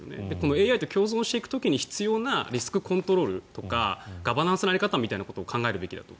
ＡＩと共存していく時に必要なリスクコントロールガバナンスの在り方を考えるべきだと。